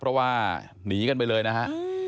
เพราะว่าหนีกันไปเลยนะฮะ